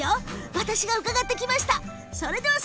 私が伺ってきました。